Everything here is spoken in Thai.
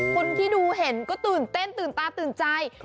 คนที่ดูเห็นก็ตื่นเต้นตื่นตาตื่นใจ